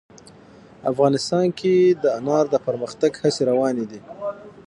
افغانستان کې د انار د پرمختګ هڅې روانې دي.